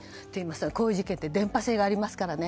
こういう事件って伝播性がありますからね。